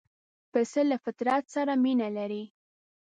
پسه له فطرت سره مینه لري.